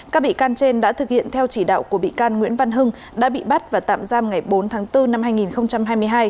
các bị can trên đã thực hiện theo chỉ đạo của bị can nguyễn văn hưng đã bị bắt và tạm giam ngày bốn tháng bốn năm hai nghìn hai mươi hai